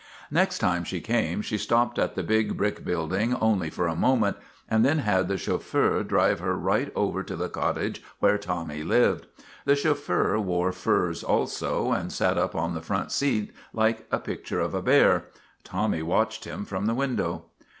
Next time she came she stopped at the big brick building only for a moment, and then had the chauf feur drive her right over to the cottage where Tommy lived. The chauffeur wore furs too, and sat up on the front seat like a picture of a bear. Tommy watched him from the window.